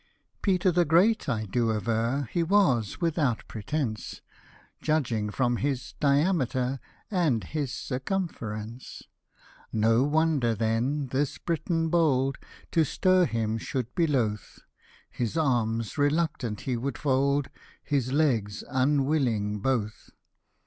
Peter the Great, I do aver, He was without pretence, Judging from his diameter, And his circumference. No wonder then this Briton bold To stir him should be loth ; His arms reluctant he would fold ; His legs unwilling both.